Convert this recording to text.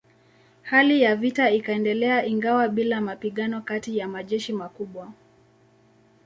Hali ya vita ikaendelea ingawa bila mapigano kati ya majeshi makubwa.